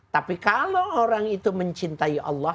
tapi kalau orang itu mencintai allah